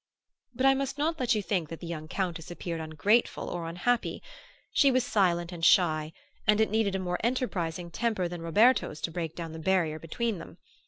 But I must not let you think that the young Countess appeared ungrateful or unhappy. She was silent and shy, and it needed a more enterprising temper than Roberto's to break down the barrier between them.